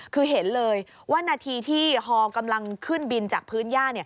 คือเห็นเลยว่านาทีที่ฮอกำลังขึ้นบินจากพื้นย่า